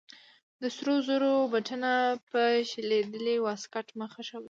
د سرو زرو بټنه په شلېدلې واسکټ مه خښوئ.